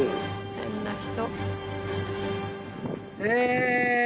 変な人。